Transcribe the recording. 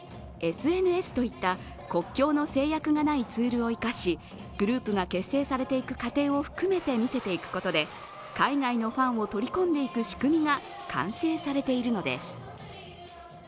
ＳＮＳといった国境の制約がないツールを生かしグループが結成されていく過程を含めて見せていくことで海外のファンを取り込んでいく仕組みが完成されているのです。